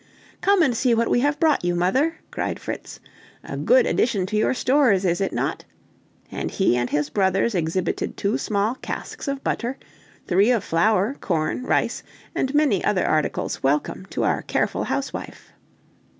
"Come and see what we have brought you, mother!" cried Fritz; "a good addition to your stores, is it not?" and he and his brothers exhibited two small casks of butter, three of flour, corn, rice, and many other articles welcome to our careful housewife.